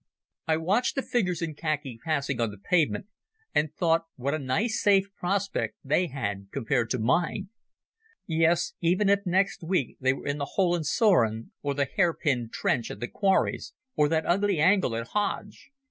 I watched the figures in khaki passing on the pavement, and thought what a nice safe prospect they had compared to mine. Yes, even if next week they were in the Hohenzollern, or the Hairpin trench at the Quarries, or that ugly angle at Hooge.